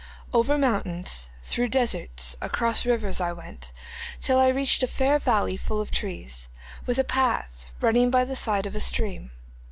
Over mountains, through deserts, across rivers I went, till I reached a fair valley full of trees, with a path running by the side of a stream.